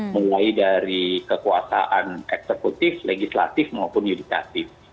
mulai dari kekuasaan eksekutif legislatif maupun yudikatif